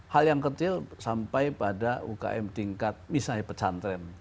hal yang kecil sampai pada ukm tingkat misalnya pesantren